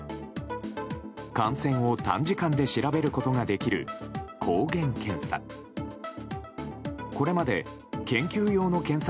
感染を短時間で調べることができる抗原検査。